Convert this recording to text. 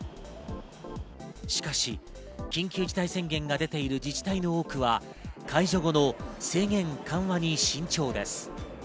しかし、緊急事態宣言が出ている自治体の多くは解除後の制限緩和に慎重です。